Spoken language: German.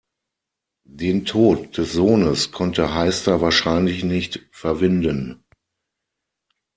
Den Tod des Sohnes konnte Heister wahrscheinlich nicht verwinden.